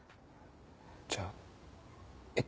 じゃあえっ？